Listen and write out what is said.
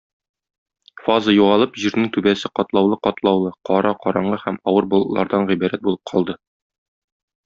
Фаза югалып, җирнең түбәсе катлаулы-катлаулы, кара, караңгы һәм авыр болытлардан гыйбарәт булып калды.